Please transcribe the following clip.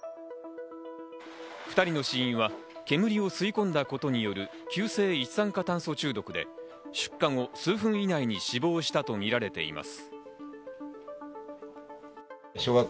２人の死因は煙を吸い込んだことによる急性一酸化炭素中毒で出火後、数分以内に死亡したとみられています。